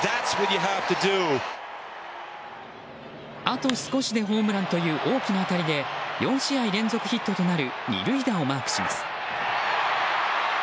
あと少しでホームランという大きな当たりで４試合連続ヒットとなる２塁打をマークします。